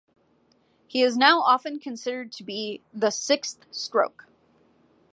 He is now often considered to be "the sixth Stroke".